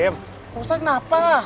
pak ustaz kenapa